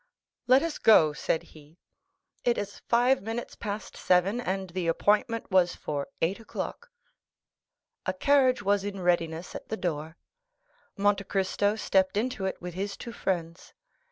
"Let us go," said he; "it is five minutes past seven, and the appointment was for eight o'clock." A carriage was in readiness at the door. Monte Cristo stepped into it with his two friends.